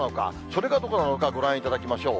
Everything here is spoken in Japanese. それがどこなのか、ご覧いただきましょう。